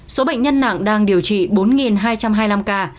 số bệnh nhân nặng đang điều trị bốn hai trăm hai mươi năm ca